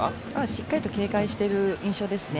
しっかりと警戒している印象ですね。